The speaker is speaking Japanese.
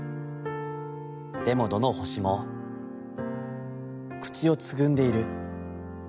でもどの星も、口をつぐんでいる。